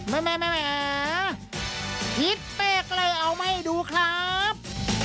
แม่แม่แม่หิตเต้กเลยเอาไหมดูครับ